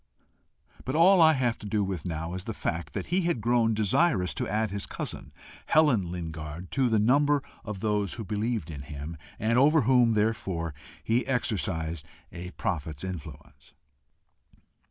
But all I have to do with now is the fact that he had grown desirous to add his cousin, Helen Lingard, to the number of those who believed in him, and over whom, therefore, he exercised a prophet's influence.